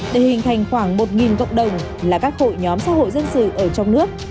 để hình thành khoảng một cộng đồng là các hội nhóm xã hội dân sự ở trong nước